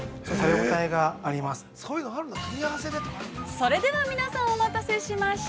◆それでは、皆さんお待たせしました。